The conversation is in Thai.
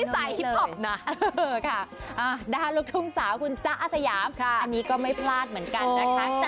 ใส่ฮิปพอปนะค่ะด้านลูกทุ่งสาวคุณจ๊ะอาสยามอันนี้ก็ไม่พลาดเหมือนกันนะคะ